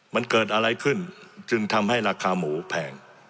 มันเกิดอะไรขึ้นจึงทำให้ราคาหมูแพง